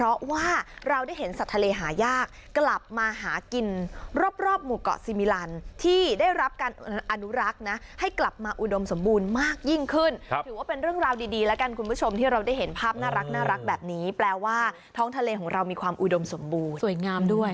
อันนั้นเป็นการ์ตูนใช่ไหมแต่นี่คือภาพจริงชีวิตจริง